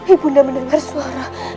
ibu bunda mendengar suara